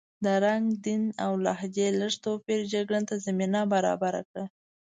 د رنګ، دین او لهجې لږ توپیر جګړې ته زمینه برابره کړه.